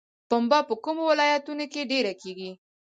پنبه په کومو ولایتونو کې ډیره کیږي؟